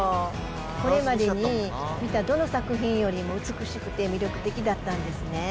これまでに見たどの作品よりも美しくて魅力的だったんですね。